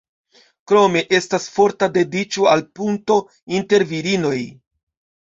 Krome estas forta dediĉo al punto inter virinoj.